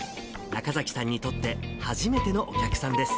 中崎さんにとって初めてのお客さんです。